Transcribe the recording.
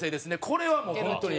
これはもう本当に。